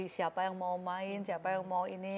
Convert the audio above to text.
jadi siapa yang mau main siapa yang mau ini